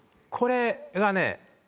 これはね。